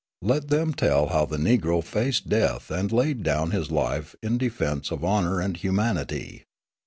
Let them tell how the Negro faced death and laid down his life in defence of honour and humanity.